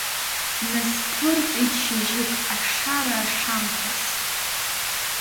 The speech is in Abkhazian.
Бнасԥырҵит шьыжьык ашара ашамҭаз…